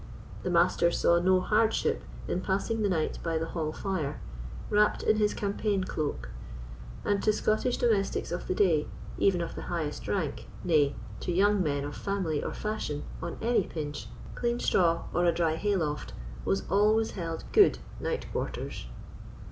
The Master saw no hardship in passing the night by the hall fire, wrapt in his campaign cloak; and to Scottish domestics of the day, even of the highest rank, nay, to young men of family or fashion, on any pinch, clean straw, or a dry hayloft, was always held good night quarters.